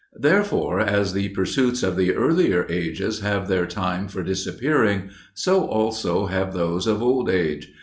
Therefore, as the pursuits of the earlier ages have their time for disappearing, so also have those of old age.